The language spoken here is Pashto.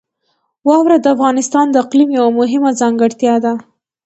واوره د افغانستان د اقلیم یوه مهمه ځانګړتیا ده.